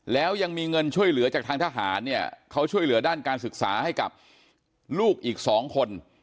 แล้วยังมีเงินช่วยเหลือจากทางทหารเนี่ยเขาช่วยเหลือด้านการศึกษาให้กับลูกอีก๒คน